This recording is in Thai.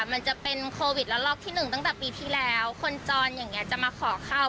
มันจะเป็นโควิดละลอกที่หนึ่งตั้งแต่ปีที่แล้วคนจรอย่างนี้จะมาขอข้าว